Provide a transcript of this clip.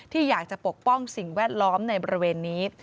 ที่อยากจะปกป้องสิ่งแวดล้อมในบริเวณนี้